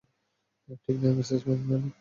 ঠিক নেই, Mrs McNally.